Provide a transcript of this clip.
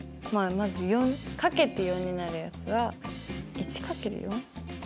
まず掛けて４になるやつは１×４。